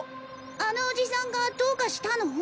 あのおじさんがどうかしたの？